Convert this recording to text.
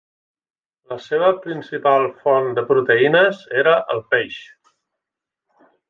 La seva principal font de proteïnes era el peix.